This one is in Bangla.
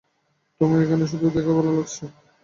তোমায় এখানে দেখে খুব ভালো লাগছে।